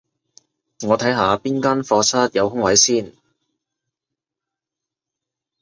我睇下邊間課室有空位先